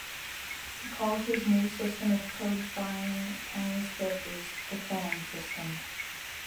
He called his new system of codifying Chinese characters the Fan System.